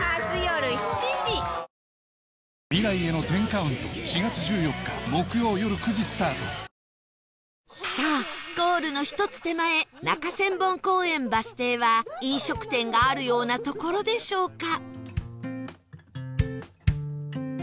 サントリーさあゴールの１つ手前中千本公園バス停は飲食店があるような所でしょうか？